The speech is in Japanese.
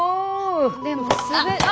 でもすべあ